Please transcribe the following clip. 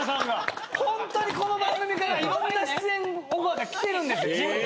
ホントにこの番組からいろんな出演オファーが来てるんですよ実際。